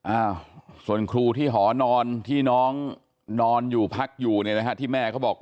อะส่วนครูที่หอนอนที่น้องนอนอยู่พักอยู่ที่แม่บอก